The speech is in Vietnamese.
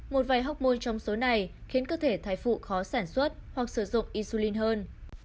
một vài học môn trong số này khiến cơ thể thai phụ khó sản xuất hoặc sử dụng insulin hơn